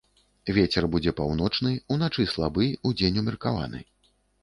Вецер будзе паўночны, уначы слабы, удзень умеркаваны.